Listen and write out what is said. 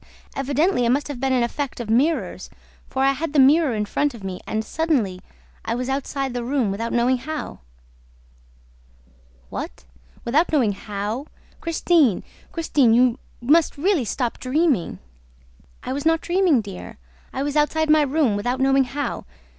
Evidently, it must have been an effect of mirrors ... for I had the mirror in front of me ... And, suddenly, I was outside the room without knowing how!" "What! Without knowing how? Christine, Christine, you must really stop dreaming!" "I was not dreaming, dear, I was outside my room without knowing how.